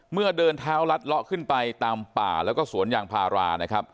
เมื่อเดินเท้ารัดละขึ้นไปตามป่าและสวนอย่างพารา